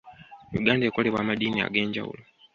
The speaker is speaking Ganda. Uganda ekolebwa amadiini ag'enjawulo.